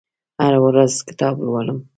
هره ورځ کتاب لولم